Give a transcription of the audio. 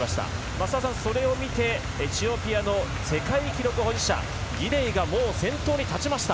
増田さん、それを見てエチオピアの世界記録保持者ギデイが先頭に立ちました。